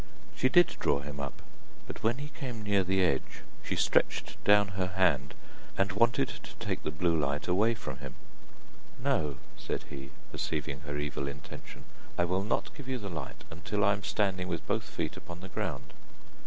She did draw him up, but when he came near the edge, she stretched down her hand and wanted to take the blue light away from him. 'No,' said he, perceiving her evil intention, 'I will not give you the light until I am standing with both feet upon the ground.